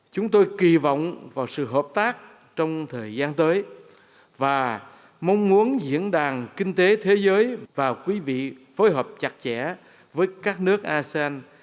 chúng tôi kỳ vọng vào sự hợp tác trong thời gian tới và mong muốn diễn đàn kinh tế thế giới và quý vị phối hợp chặt chẽ với các nước asean